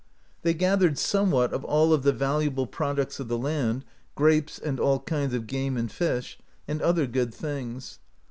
They gathered somewhat of all of the valuable products of the land, grapes, and all kinds of game and fish, and other good things.